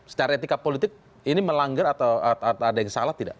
secara etika politik ini melanggar atau ada yang salah tidak